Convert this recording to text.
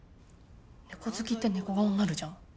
猫好きって猫顔になるじゃん。